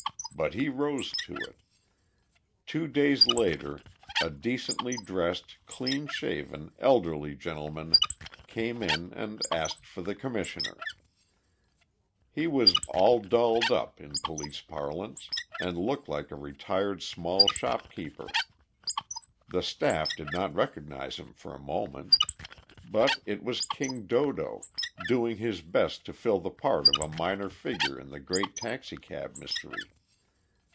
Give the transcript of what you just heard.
But he rose to it. Two days later a decently dressed, clean shaven, elderly gentleman came in and asked for the Commissioner. He was "all dolled up," in police parlance, and looked like a retired small shopkeeper. The staff did not recognize him for a moment. But it was "King Dodo," doing his best to fill the part of a minor figure in the great taxicab mystery.